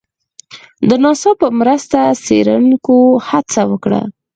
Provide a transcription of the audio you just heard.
د ناسا په مرسته څېړنکو هڅه وکړه